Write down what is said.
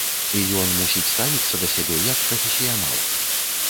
І ён мусіць ставіцца да сябе як прафесіянал.